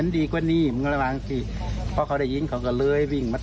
นี่ขอทราบเหตุผลว่าเพราะอะไร